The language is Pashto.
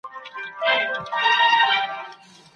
تاسو بايد د مطالعې له لاري د خپل ملت دردونه دوا کړئ.